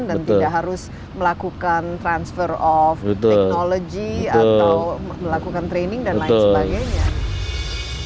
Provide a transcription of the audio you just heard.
dan tidak harus melakukan transfer of technology atau melakukan training dan lain sebagainya